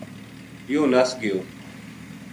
یوہ نَس گیو